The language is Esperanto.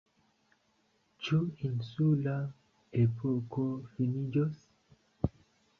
Ĉu insula epoko finiĝos?